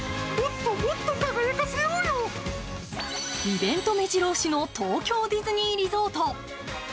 イベントめじろ押しの東京ディズニーリゾート。